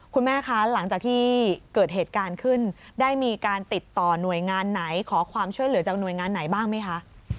คุณแม่คะหลังจากที่เกิดเหตุการณ์ขึ้นได้มีการติดต่อหน่วยงานไหนขอความช่วยเหลือจากหน่วยงานไหนบ้างไหมคะ